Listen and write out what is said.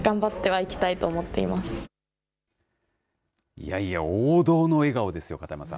いやいや、王道の笑顔ですよ、片山さん。